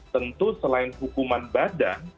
tentu selain hukuman badan